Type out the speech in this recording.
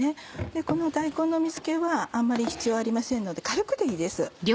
この大根の水気はあんまり必要ありませんので軽くでいいです。